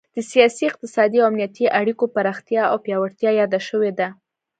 د سیاسي، اقتصادي او امنیتي اړیکو پراختیا او پیاوړتیا یاده شوې ده